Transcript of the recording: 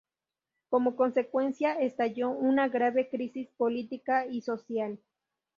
Como consecuencia estalló una grave crisis política y social.